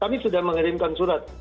kami sudah mengirimkan surat